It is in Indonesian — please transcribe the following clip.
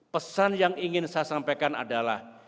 pesan yang ingin saya sampaikan adalah